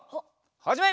はじめ！